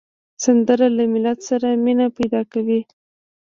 سندره له ملت سره مینه پیدا کوي